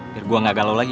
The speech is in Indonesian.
biar gue gak galau lagi